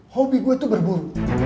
hobi gue tuh berburu